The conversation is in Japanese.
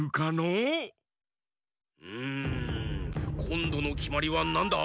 うんこんどのきまりはなんだ？